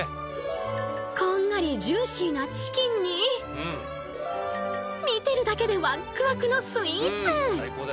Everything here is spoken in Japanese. こんがりジューシーなチキンに見てるだけでワックワクのスイーツ！